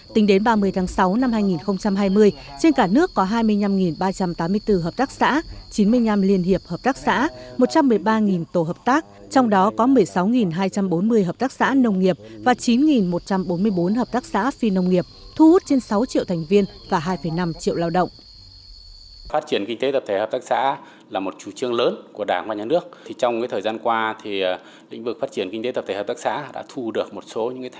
tính đến ba mươi tháng sáu năm hai nghìn hai mươi trên cả nước có hai mươi năm ba trăm tám mươi bốn hợp tác xã chín mươi năm liên hiệp hợp tác xã một trăm một mươi ba tổ hợp tác trong đó có một mươi sáu hai trăm bốn mươi hợp tác xã nông nghiệp và chín một trăm bốn mươi bốn hợp tác xã phi nông nghiệp thu hút trên sáu triệu thành viên và hai năm triệu lao động